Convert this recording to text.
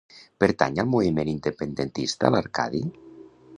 Pertany al moviment independentista l'Arcadi?